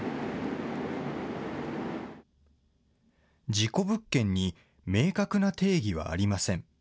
事故物件に明確な定義はありません。